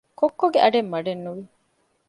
ކޮއްކޮގެ އަޑެއް މަޑެއްނުވި